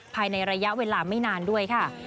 ภายในระยะเวลาไม่นานด้วยค่ะ